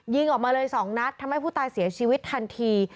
ยิงออกมาเลย๒นัดทำให้ผู้ตายเสียชีวิตทันที